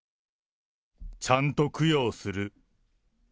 ちゃんと供養する。